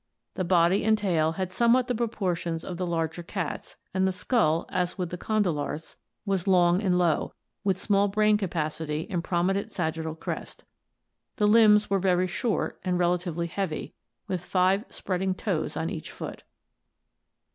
The body and tail had somewhat the proportions of the larger cats, and the skull, as with the condylarths, was long and low, with small brain capacity and prominent sagittal crest. The limbs were very short and relatively heavy, with five spreading toes on each foot.